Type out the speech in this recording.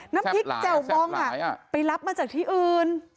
น้ำพริกแจ่วบองไปรับมาจากที่อื่น